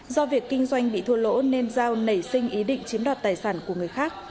do việc kinh doanh bị thua lỗ nên giao nảy sinh ý định chiếm đoạt tài sản của người khác